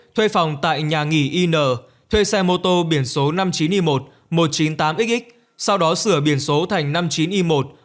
thuê phòng tại nhà nghỉ yn thuê xe mô tô biển số năm mươi chín y một một trăm chín mươi tám xx sau đó sửa biển số thành năm mươi chín y một